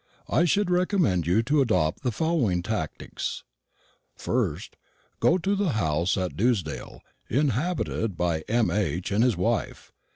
"I should recommend you to adopt the following tactics: "1st. Go to the house at Dewsdale, inhabited by M.H. and his wife.